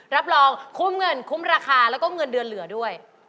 รับรองคุ้มเงินคุ้มราคาแล้วก็เงินเดือนเหลือด้วย